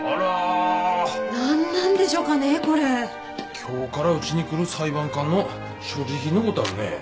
今日からうちに来る裁判官の所持品のごたるね。